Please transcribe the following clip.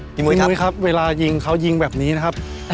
พี่มุยครับเวลายิงเขายิงแบบนี้นะครับ